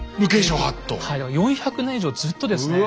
だから４００年以上ずっとですね